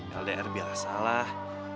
ya ldr biarlah salah